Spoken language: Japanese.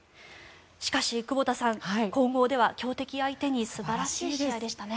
しかし、久保田さん混合では強敵相手に素晴らしい試合でしたね。